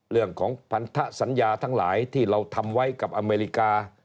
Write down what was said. เรื่องของพันธสัญญาทั้งหลายที่เราทำไว้กับอเมริกา